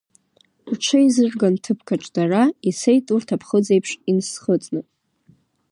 Рҽеизырган ҭыԥкаҿ дара, ицеит урҭ аԥхыӡ еиԥш инсхыҵны.